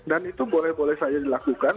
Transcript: dan itu boleh boleh saja dilakukan